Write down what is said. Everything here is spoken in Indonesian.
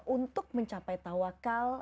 untuk mencapai tawakal